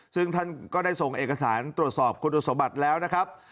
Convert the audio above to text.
ซึ่งท่านก็ได้ส่งเอกสารตรวจสอบคุณสมบัติแล้วนะครับ